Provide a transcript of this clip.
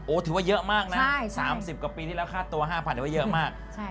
ถือว่าเยอะมากนะ๓๐กว่าปีที่แล้วค่าตัว๕๐๐ถือว่าเยอะมาก